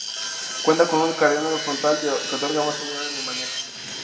Cuenta con un carenado frontal que otorga más seguridad en el manejo.